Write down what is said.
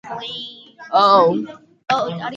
He initially focusing on personal injury claims.